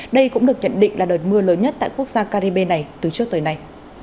đây cũng được nhận định là đợt mưa lớn nhất tại quốc gia caribe này từ trước tới nay